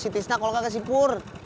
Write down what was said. sitisna kalau gak kasih pur